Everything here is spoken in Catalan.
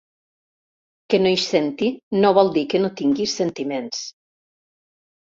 Que no hi senti no vol dir que no tingui sentiments.